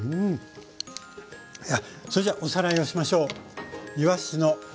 それじゃおさらいをしましょう。